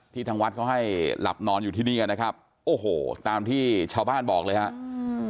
ทางวัดเขาให้หลับนอนอยู่ที่นี่กันนะครับโอ้โหตามที่ชาวบ้านบอกเลยครับ